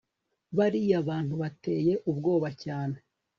bariya bantu bateye ubwoba cyane